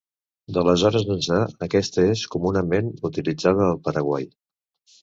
D'aleshores ençà, aquesta és comunament utilitzada al Paraguai.